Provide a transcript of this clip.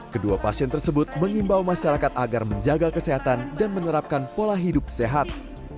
kedua pasien tersebut mengimbau masyarakat agar menjaga kesehatan dan menerapkan pola hidup sehat